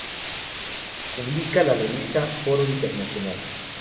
Publica la revista "Foro Internacional".